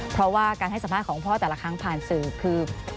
เพราะว่าการให้สัมภาษณ์ของพ่อแต่ละครั้งผ่านสื่อคือ